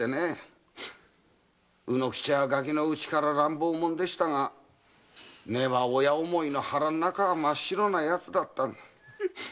卯之吉はガキのうちから乱暴者でしたが根は親思いの腹の中は真っ白な奴だった。